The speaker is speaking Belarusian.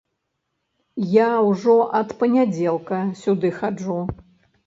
Я ўжо ад панядзелка сюды хаджу.